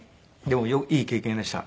でもいい経験でした。